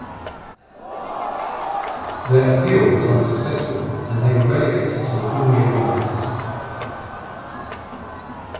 Their appeal was unsuccessful and they were relegated to the Cymru Alliance.